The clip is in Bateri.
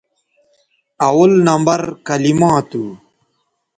اول نمبر کلما تھو